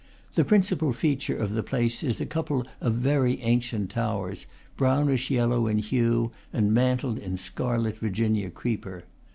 The principal feature of the place is a couple of very ancient towers, brownish yellow in hue, and mantled in scarlet Vir ginia creeper.